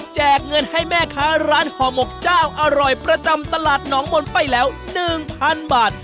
เงินให้แม่ค้าร้านห่อหมกเจ้าอร่อยประจำตลาดหนองมนต์ไปแล้ว๑๐๐๐บาท